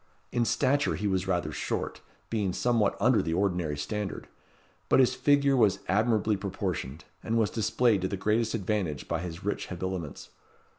In stature he was rather short, being somewhat under the ordinary standard; but his figure was admirably proportioned, and was displayed to the greatest advantage by his rich habiliments.